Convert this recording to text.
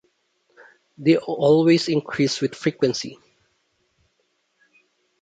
They always increase with frequency.